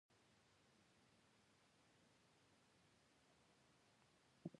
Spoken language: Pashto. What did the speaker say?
د سلیمان غر لپاره دپرمختیا پروګرامونه شته.